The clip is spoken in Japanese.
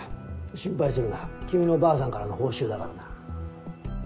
心配するな君の婆さんからの報酬だからな。